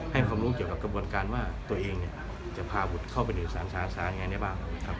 ให้ความรู้เกี่ยวกับกระบวนการว่าตัวเองเนี่ยจะพาบุฒิเข้าไปเป็นอื่นศาสนอย่างนี้บ้าง